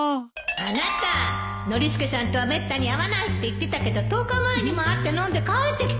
あなたノリスケさんとはめったに会わないって言ってたけど１０日前にも会って飲んで帰ってきたじゃないの